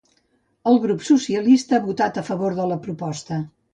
El grup socialista ha votat a favor de la proposta.